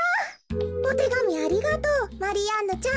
「おてがみありがとうマリアンヌちゃん。